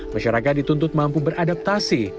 masyarakat dituntut mampu beradaptasi